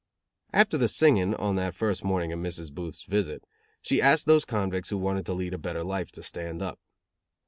After the singing, on that first morning of Mrs. Booth's visit, she asked those convicts who wanted to lead a better life to stand up.